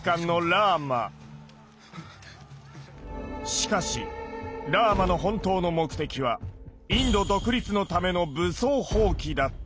しかしラーマの本当の目的はインド独立のための武装蜂起だった。